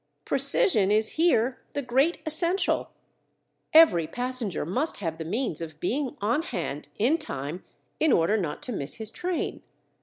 Precision is here the great essential; every passenger must have the means of being on hand in time in order not to miss his train.